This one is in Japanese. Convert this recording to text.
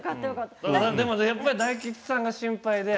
でもやっぱり大吉さんが心配で。